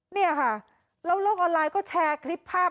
เนี่ยค่ะแล้วโลกออนไลน์ก็แชร์คลิปภาพ